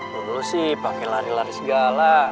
lo dulu sih pake lari lari segala